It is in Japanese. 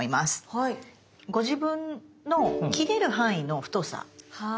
ご自分の切れる範囲の太さ。